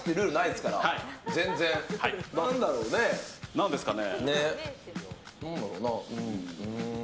何ですかね。